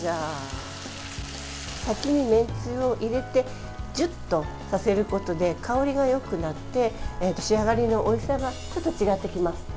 先にめんつゆを入れてジュッとさせることで香りがよくなって仕上がりのおいしさがちょっと違ってきます。